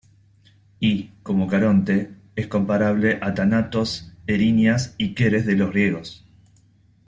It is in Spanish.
Y, como Caronte, es comparable a Thanatos, Erinias y Keres de los griegos.